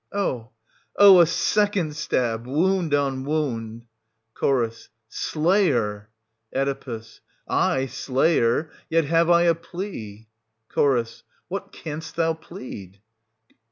Oh! oh! a second stab — wound on wound ! Ch. Slayer! Oe. Aye, slayer — yet have I a plea — Ch. What canst thou plead?